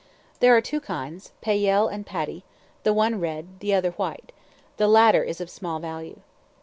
There are two kinds, payel and patty, the one red, the other white; the latter is of small value.